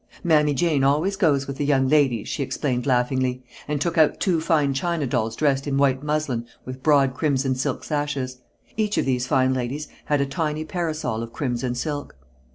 "Mammy Jane always goes with the young ladies," she explained laughingly, and took out two fine china dolls dressed in white muslin with broad crimson silk sashes. Each of these fine ladies had a tiny parasol of crimson silk.